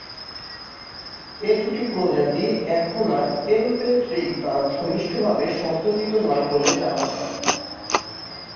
এ দুটি প্রজাতি এখন আর এলোপেট্রিক বা ঘনিষ্ঠভাবে সম্পর্কিত নয় বলে জানা যায়।